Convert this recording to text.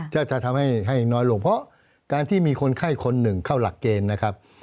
จะทำให้น้อยลงเพราะการที่มีคนไข้คนหนึ่งเข้าหลักเกณฑ์นะครับ